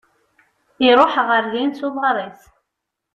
Iruḥ ɣer din s uḍar-is.